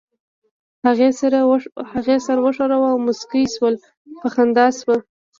هغې سر وښوراوه او موسکۍ شول، په خندا شوه.